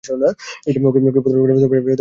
ওকে, পথপ্রদর্শক, এবার কোন দিকে যাব?